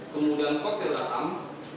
kemudian koktil datang